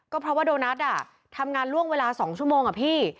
ก็เพราะว่าโดนัททำงานล่วงเวลา๒ชั่วโมงอะพี่